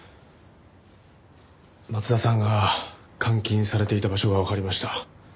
松田さんが監禁されていた場所がわかりました。